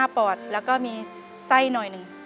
ปอดแล้วก็มีไส้หน่อยหนึ่ง